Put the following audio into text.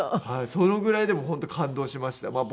そのぐらいでも本当感動しました。